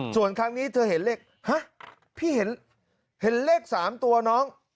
ส่วนครั้งนี้เธอเห็นเลขฮะพี่เห็นเลข๓ตัวน้อง